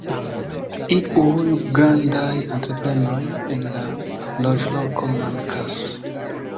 Iuj grandaj entreprenoj en la loĝloko mankas.